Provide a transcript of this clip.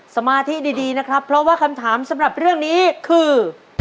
สมาธิดีนะครับเพราะว่าคำถามสำหรับเรื่องนี้คือ